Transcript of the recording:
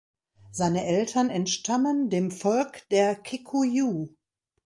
Seine Eltern entstammen dem Volk der Kikuyu.